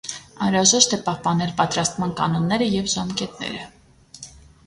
Անհրաժեշտ է պահպանել պատրաստման կանոնները և ժամկետները։